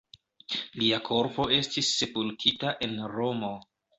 Lia korpo estis sepultita en Romo.